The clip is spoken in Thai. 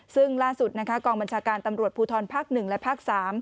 ซึ่งล่าสุดกองบัญชาการตำรวจภูทรภักดิ์๑และภักดิ์๓